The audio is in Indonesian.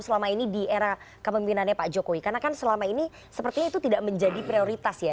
selama ini di era kepemimpinannya pak jokowi karena kan selama ini sepertinya itu tidak menjadi prioritas ya